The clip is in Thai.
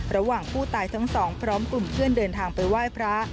ระหว่างผู้ตายทั้งสองพร้อมกลุ่มเพื่อนเดินทางไปไหว้พระ